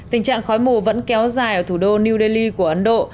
tình trạng khói mù vẫn kéo dài ở thủ đô new delhi của ấn độ